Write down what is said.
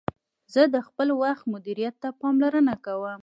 زه د خپل وخت مدیریت ته پاملرنه کوم.